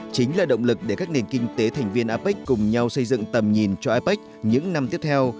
chính là động lực để các nền kinh tế thành viên apec cùng nhau xây dựng tầm nhìn cho apec những năm tiếp theo